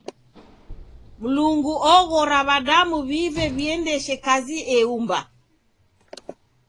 Mlungu oghora w'adamu w'ive w'iendeshe kazi eumba.